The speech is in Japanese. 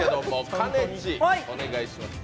かねち、お願いします。